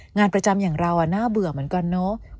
งานประจำอย่างเราน่าเบื่อเหมือนกันเนอะ